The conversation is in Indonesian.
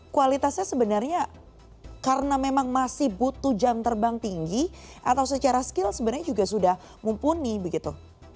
kualitasnya sebenarnya karena memang masih butuh jam terbang tinggi atau secara skill sebenarnya juga sudah mumpuni begitu